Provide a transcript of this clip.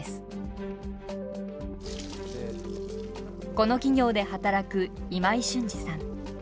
この企業で働く今井俊次さん。